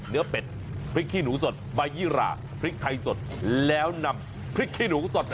เป็ดพริกขี้หนูสดใบยี่ราพริกไทยสดแล้วนำพริกขี้หนูสด